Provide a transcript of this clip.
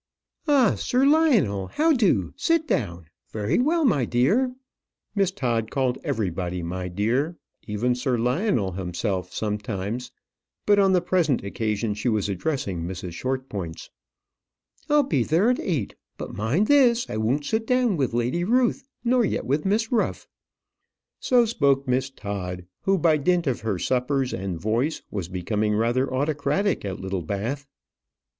"Ah, Sir Lionel; how do? Sit down. Very well, my dear," Miss Todd called everybody my dear, even Sir Lionel himself sometimes; but on the present occasion she was addressing Mrs. Shortpointz "I'll be there at eight; but mind this, I won't sit down with Lady Ruth, nor yet with Miss Ruff." So spoke Miss Todd, who, by dint of her suppers and voice, was becoming rather autocratic at Littlebath.